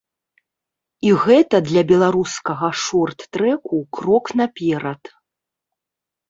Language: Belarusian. І гэта для беларускага шорт-трэку крок наперад.